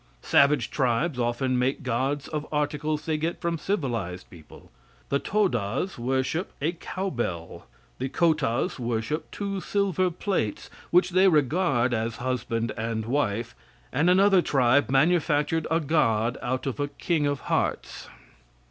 Savage tribes often make gods of articles they get from civilized people. The Todas worship a cow bell. The Kotas worship two silver plates, which they regard as husband and wife, and another tribe manufactured a god out of a king of hearts.